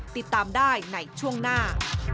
ติดตามได้ในช่วงหน้า